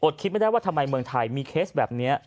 คิดไม่ได้ว่าทำไมเมืองไทยมีเคสแบบนี้